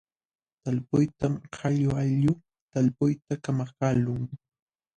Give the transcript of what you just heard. Talpuytam qalluqallu talpuyta kamakaqlun.